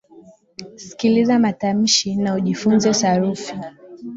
sikiliza matamshi na ujifunze sarufi